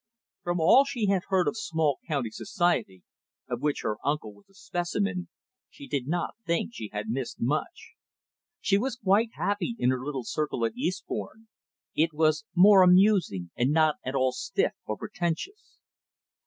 From all she had heard of small county society, of which her uncle was a specimen, she did not think she had missed much. She was quite happy in her little circle at Eastbourne; it was more amusing, and not at all stiff or pretentious.